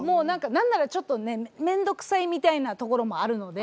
何ならちょっと面倒くさいみたいなところもあるので。